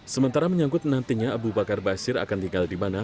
sementara menyangkut nantinya abu bakar basir akan tinggal di mana